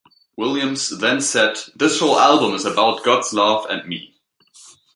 Williams then said "this whole album is about God's love and me".